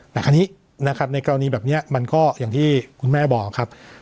แต่คราวนี้นะครับในกรณีแบบนี้มันก็อย่างที่คุณแม่บอกครับ